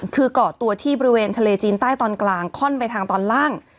คือเกาะตัวที่บริเวณทะเลจีนใต้ตอนกลางค่อนไปทางตอนล่าง